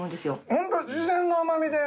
ホント自然の甘みで。